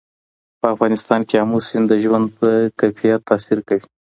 په افغانستان کې آمو سیند د ژوند په کیفیت تاثیر کوي.